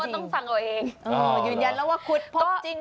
ต้องใช้ใจฟัง